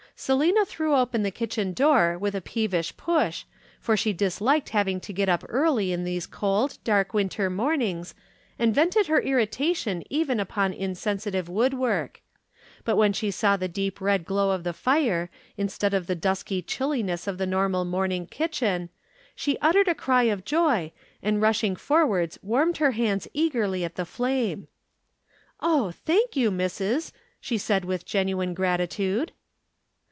"Selina threw open the kitchen door with a peevish push, for she disliked having to get up early in these cold, dark winter mornings and vented her irritation even upon insensitive woodwork. But when she saw the deep red glow of the fire, instead of the dusky chillness of the normal morning kitchen, she uttered a cry of joy, and rushing forwards warmed her hands eagerly at the flame. "'Oh, thank you, missus,' she said with genuine gratitude.